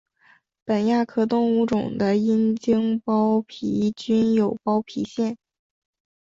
本亚科物种的阴茎包皮均有包皮腺。